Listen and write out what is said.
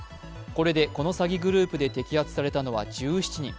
これでこの詐欺グループで摘発されたのは１７人。